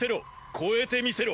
超えてみせろ！